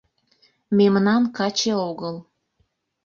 Мемнан каче огыл